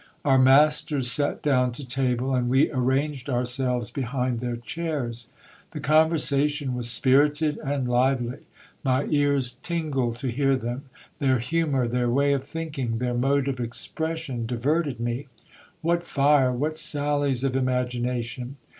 Our masters sat down to table, and we arranged ourselves behind their chairs. The conversation was spirited and lively. My ears tingled to hear them. Their humour, their way of thinking, their mode of expression diverted me. What fire ! what sallies of imagination